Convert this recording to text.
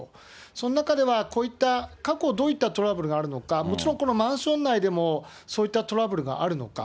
その中では、こういった、過去どういったトラブルがあるのか、もちろんこのマンション内でもそういったトラブルがあるのか。